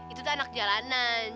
itu tuh anak jalanan